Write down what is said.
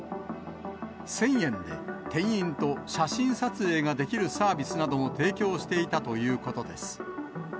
１０００円で店員と写真撮影ができるサービスなども提供していたということです。